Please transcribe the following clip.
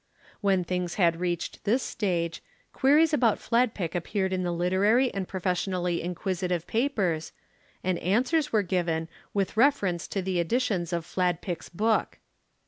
When things had reached this stage, queries about Fladpick appeared in the literary and professionally inquisitive papers, and answers were given, with reference to the editions of Fladpick's book.